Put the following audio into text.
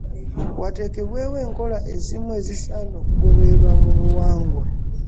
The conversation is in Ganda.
Watekebweewo enkola ezimu ezisaana okugobererwa mu buwangwa